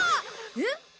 えっ？